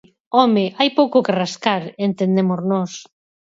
¡Home, hai pouco que rascar!, entendemos nós.